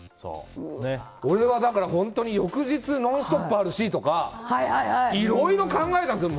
俺は、本当に翌日「ノンストップ！」あるしとかいろいろ考えたんですよ。